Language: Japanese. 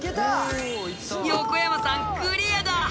横山さんクリアだ！